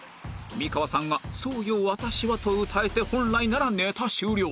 美川さんが「そうよ私は」と歌えて本来ならネタ終了